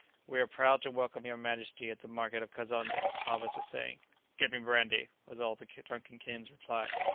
"We are proud to welcome your majesty at the market of Kazonndé," Alvez was saying. "Get me brandy," was all the drunken king's reply.